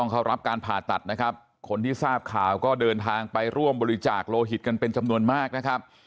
เขารับการผ่าตัดนะครับคนที่ทราบข่าวก็เดินทางไปร่วมบริจาคโลหิตกันเป็นจำนวนมากนะครับ